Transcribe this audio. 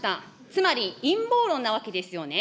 つまり陰謀論なわけですよね。